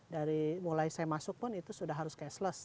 dari mulai saya masuk pun itu sudah harus cashless